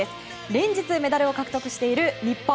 連日メダルを獲得している日本。